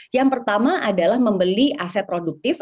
yang pertama adalah membeli aset produktif